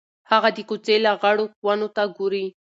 هغه د کوڅې لغړو ونو ته ګوري.